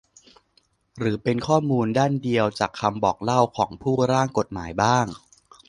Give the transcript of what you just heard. หรือเป็นข้อมูลด้านเดียวจากคำบอกเล่าของผู้ร่างกฎหมายบ้าง